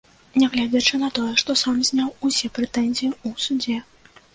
Нягледзячы на тое, што сам зняў усе прэтэнзіі ў судзе.